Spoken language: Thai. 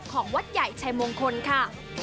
ของวัดใหญ่ชัยมงคลค่ะ